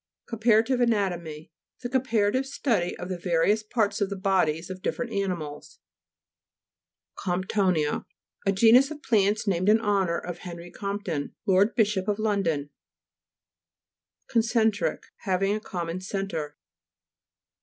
COMPARATIVE ANATOMY The com parative study of the various parts of the bodies of different animals. COMPTO'NIA A genus of plants named in honour of Henry Comp ton, Lord Bishop of London (p. 88). CONCE'NTRIC Having a common centre.